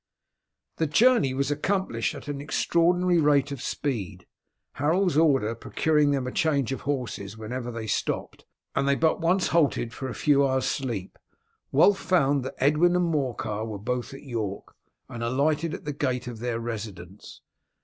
The journey was accomplished at an extraordinary rate of speed, Harold's order procuring them a change of horses when ever they stopped; and they but once halted for a few hours' sleep. Wulf found that Edwin and Morcar were both at York, and alighted at the gate of their residence.